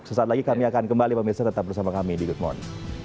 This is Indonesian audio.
sesaat lagi kami akan kembali pemirsa tetap bersama kami di good morning